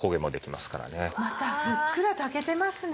またふっくら炊けてますね。